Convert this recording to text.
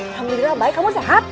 alhamdulillah baik kamu sehat